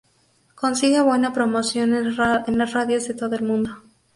Consigue buena promoción en las radios de todo el mundo.